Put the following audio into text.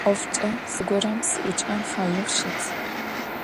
Ӏофкӏэ зыгорэм сыӏукӏэн фаеу щыт.